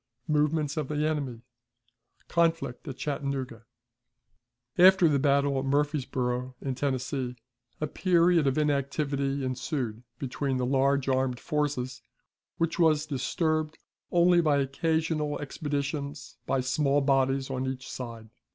Movements of the Enemy. Conflict at Chattanooga. After the battle at Murfreesboro, in Tennessee, a period of inactivity ensued between the large armed forces, which was disturbed only by occasional expeditions by small bodies on each side.